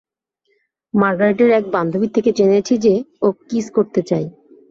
মার্গারেটের এক বান্ধবীর থেকে জেনেছি যে, ও কিস করতে চায়।